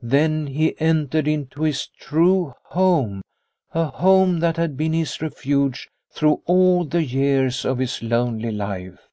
Then he entered into his true home, a home that had been his refuge through all the years of his lonely life.